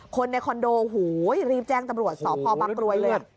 คนในคอนโดหูยรีบแจ้งตำรวจสอบพอบักรวยเลย